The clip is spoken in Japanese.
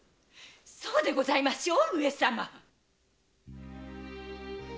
そうでございましょう上様！